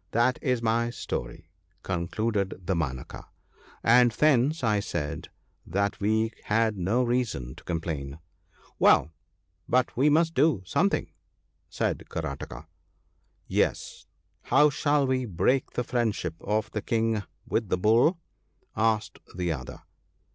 * That is my story,' concluded Damanaka, * and thence I said that we had no reason to complain.' * Well, but we must do something,' said Karataka. * Yes ! How shall we break the friendship of the King with the Bull ?' asked the other.